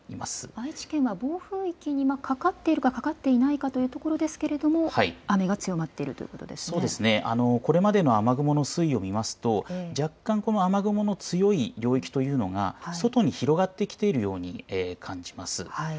愛知県は暴風域にかかっているかかかっていないかというところですけれども雨が強まっているとこれまでの雨雲の推移を見ますと若干、雨雲の強い領域というのは外に広がってきているように感じます。